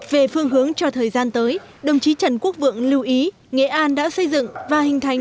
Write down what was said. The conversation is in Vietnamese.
về phương hướng cho thời gian tới đồng chí trần quốc vượng lưu ý nghệ an đã xây dựng và hình thành